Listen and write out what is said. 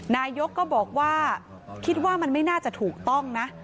นายกก็บอกว่าคิดว่ามันไม่น่าจะถูกต้องนะ